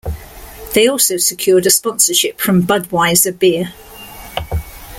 They also secured a sponsorship from Budweiser beer.